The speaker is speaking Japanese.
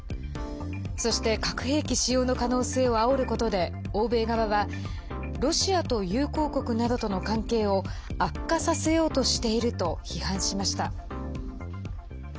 そして、核兵器使用の可能性をあおることで欧米側はロシアと友好国などとの関係を悪化させようとしていると批判しました。